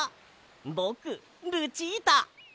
ぼくルチータ！